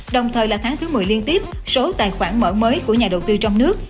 đồng thời là tháng thứ một mươi liên tiếp số tài khoản mở mới của nhà đầu tư trong nước